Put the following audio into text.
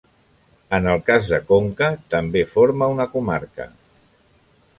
En el cas de Conca, també forma una comarca.